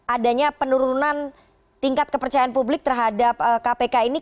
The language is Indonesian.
adanya penurunan tingkat kepercayaan publik terhadap kpk ini